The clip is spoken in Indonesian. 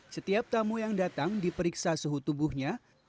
setiap tamu yang datang diperiksa suhu tubuhnya